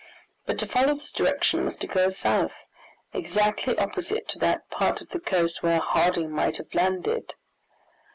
But to follow this direction was to go south, exactly opposite to that part of the coast where Harding might have landed.